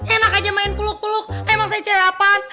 enak aja main puluk puluk emang saya cewek apaan